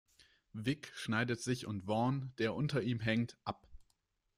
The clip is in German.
Wick schneidet sich und Vaughn, der unter ihm hängt, ab.